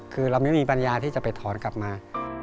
คือเราไม่มีปัญญาที่จะไปถอนกลับมา